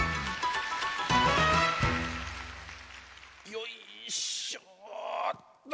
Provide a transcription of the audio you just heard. よいしょっと。